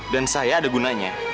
dan saya ada gunanya